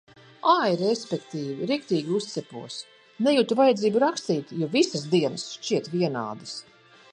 Ai, respektīvi, riktīgi uzcepos. Nejutu vajadzību rakstīt, jo visas dienas šķiet vienādas.